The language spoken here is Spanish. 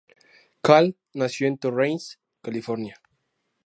Call nació en Torrance, California.